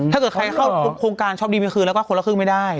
ถ้าเกิดใครเข้าโครงการช็อปดีมีคืนแล้วก็คนละครึ่งไม่ได้